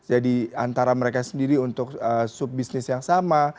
jadi antara mereka sendiri untuk sub bisnis yang sama